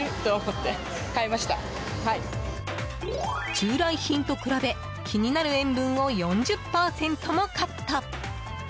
従来品と比べ、気になる塩分を４０％もカット。